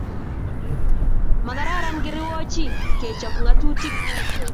Makararan kerwoji kechop Ngatutik